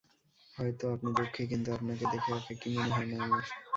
হয়তো আপনি দুঃখী, কিন্তু আপনাকে দেখে একাকী মনে হয় না আমার।